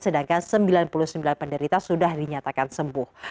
sedangkan sembilan puluh sembilan penderita sudah dinyatakan sembuh